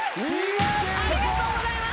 ありがとうございます。